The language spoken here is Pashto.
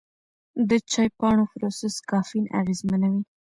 د چای پاڼو پروسس کافین اغېزمنوي.